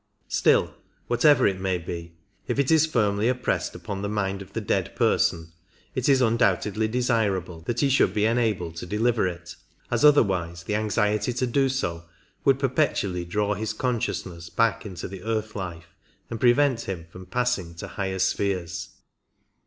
Still, whatever it may be, if it is firmly impressed upon the mind of the dead person, it is undoubtedly desirable that he should be enabled to deliver it, as otherwise the anxiety to do so would perpetually draw his consciousness back into the earth life, and prevent him from passing to higher spheres.